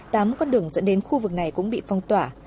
tám con đường dẫn đến khu vực này cũng bị phong tỏa